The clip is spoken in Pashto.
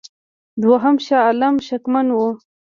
دوهم شاه عالم شکمن وو.